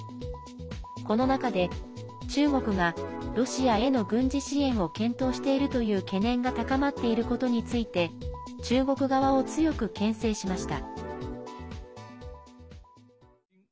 この中で、中国がロシアヘの軍事支援を検討しているという懸念が高まっていることについて中国側を強く、けん制しました。